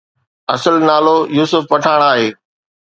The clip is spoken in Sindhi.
اصل نالو يوسف پٺاڻ آهي